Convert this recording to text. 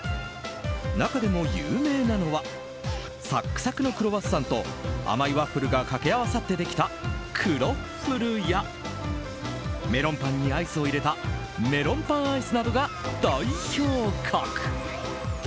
中でも有名なのはサックサクのクロワッサンと甘いワッフルがかけあわさってできたクロッフルやメロンパンにアイスを入れたメロンパンアイスなどが代表格。